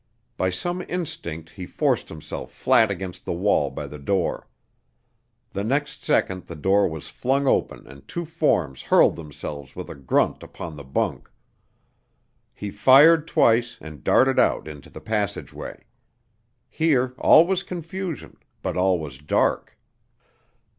By some instinct he forced himself flat against the wall by the door. The next second the door was flung open and two forms hurled themselves with a grunt upon the bunk. He fired twice and darted out into the passageway. Here all was confusion, but all was dark.